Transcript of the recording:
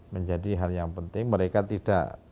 menjadi hal yang penting mereka tidak